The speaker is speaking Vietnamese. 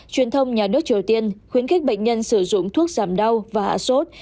truyền thông nhà nước triều tiên khuyến khích bệnh nhân sử dụng thuốc giảm đau và hạ sốt